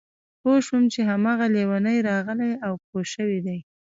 پوه شوم چې هماغه لېونی راغلی او پوه شوی دی